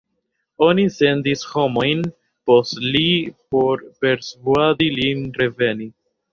Oni sendis homojn post li por persvuadi lin reveni.